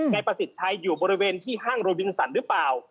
ประสิทธิ์ชัยอยู่บริเวณที่ห้างโรบินสันหรือเปล่า